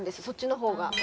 そっちの方が。